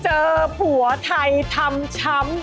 เจอผัวไทยทำช้ำ